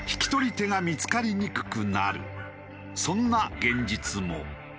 そんな現実も。